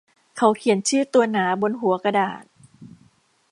เขาเขียนชื่อตัวหนาบนหัวกระดาษ